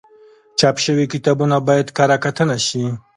چاپ شوي کتابونه باید کره کتنه شي.